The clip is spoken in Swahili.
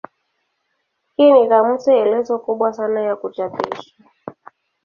Hii ni kamusi elezo kubwa sana ya kuchapishwa.